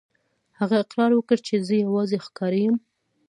هغه اقرار وکړ چې زه یوازې ښکاري یم.